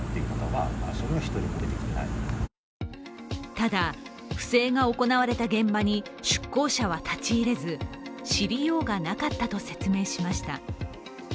ただ不正が行われた現場に出向者は立ち入れず知りようがなかったと説明しました。